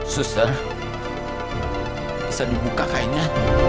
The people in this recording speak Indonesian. suster bisa dibuka kainnya